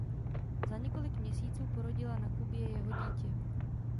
Za několik měsíců porodila na Kubě jeho dítě.